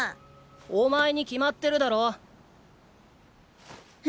お前に決まってるだろ！え。